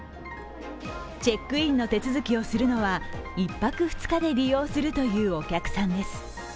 チェックインの手続きをするのは１泊２日で利用するというお客さんです。